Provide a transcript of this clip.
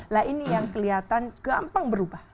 nah ini yang kelihatan gampang berubah